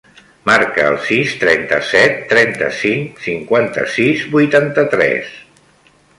Marca el sis, trenta-set, trenta-cinc, cinquanta-sis, vuitanta-tres.